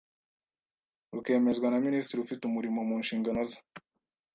rukemezwa na Minisitiri ufite umurimo mu nshingano ze